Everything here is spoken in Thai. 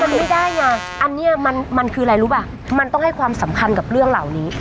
มันไม่ได้ไงอันนี้มันคืออะไรรู้ป่ะมันต้องให้ความสำคัญกับเรื่องเหล่านี้